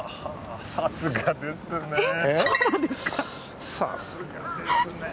さすがですね。